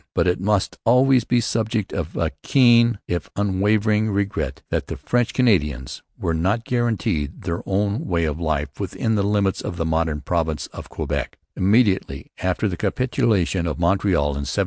But it must always be a subject of keen, if unavailing, regret that the French Canadians were not guaranteed their own way of life, within the limits of the modern province of Quebec, immediately after the capitulation of Montreal in 1760.